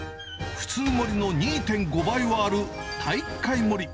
普通盛りの２．５倍はある、体育会盛り。